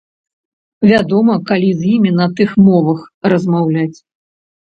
Вядома, калі з імі на тых мовах размаўляць.